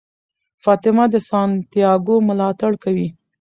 فاطمه د سانتیاګو ملاتړ کوي.